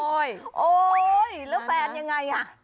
โอ๊ยแล้วแฟนยังไงอ่ะ